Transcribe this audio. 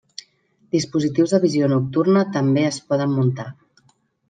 Dispositius de visió nocturna també es poden muntar.